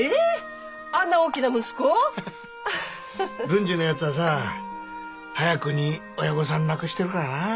文治のやつはさぁ早くに親御さん亡くしてるからなぁ。